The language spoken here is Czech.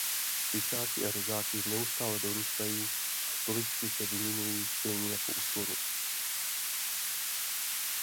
Špičáky a řezáky neustále dorůstají a stoličky se vyměňují stejně jako u slonů.